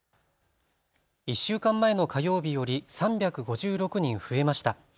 １週間前の火曜日より３５６人増えました。